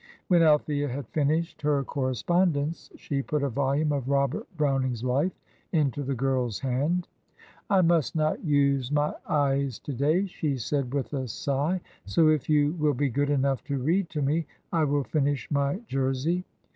When Althea had finished her correspondence, she put a volume of "Robert Browning's Life" into the girl's hand. "I must not use my eyes to day," she said, with a sigh, "so if you will be good enough to read to me, I will finish my jersey.